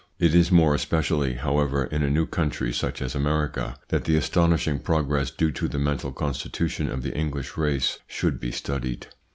It is more especially, however, in a new country such as America, that the astonishing progress due to the mental constitution of the English race should be studied.